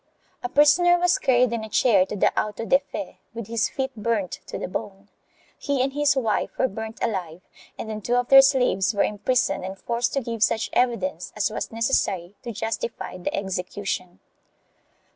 A prisoner was carried in a chair to the auto de fe with his feet burnt to the bone; he and his wife were burnt alive and then two of their slaves were imprisoned and forced to give such evidence as was necessary to justify the execution.